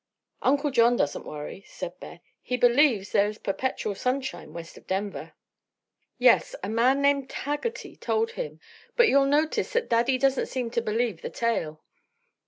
"Uncle John doesn't worry," said Beth. "He believes there is perpetual sunshine west of Denver." "Yes; a man named Haggerty told him. But you'll notice that Daddy doesn't seem to believe the tale.